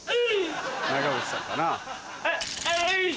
長渕さんかな。